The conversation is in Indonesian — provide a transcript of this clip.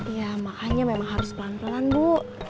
ya makanya memang harus pelan pelan bu